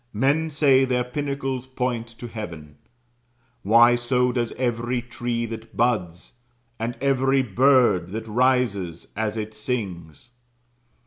Men say their pinnacles point to heaven. Why, so does every tree that buds, and every bird that rises as it sings.